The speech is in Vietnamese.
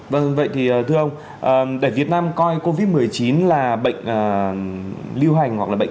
vâng vậy thì thưa ông để việt nam coi covid một mươi chín là bệnh lưu hành